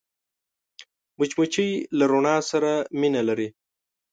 مچمچۍ له رڼا سره مینه لري